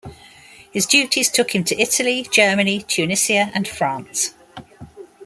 His duties took him to Italy, Germany, Tunisia and France.